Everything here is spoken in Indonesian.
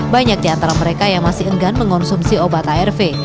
banyak di antara mereka yang masih enggan mengonsumsi obat arv